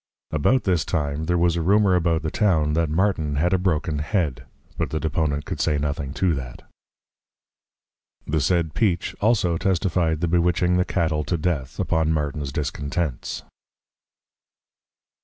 About this time, there was a Rumour about the Town, that Martin had a Broken Head; but the Deponent could say nothing to that. The said Peache also testifi'd the Bewitching the Cattle to Death, upon Martin's Discontents.